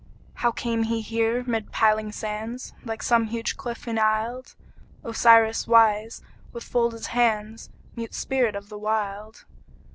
How came he here mid piling sands, Like some huge cliff enisled, Osiris wise, with folded hands, Mute spirit of the Wild?